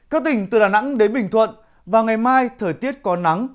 các tỉnh từ đà nẵng đến bình thuận vào ngày mai thời tiết còn nắng